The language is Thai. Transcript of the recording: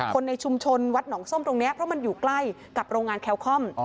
ในชุมชนวัดหนองส้มตรงนี้เพราะมันอยู่ใกล้กับโรงงานแคลคอม